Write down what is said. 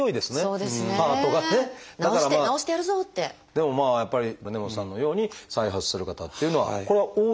でもやっぱり根本さんのように再発する方っていうのはこれは多いんですか？